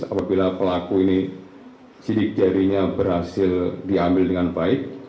apabila pelaku ini sidik jarinya berhasil diambil dengan baik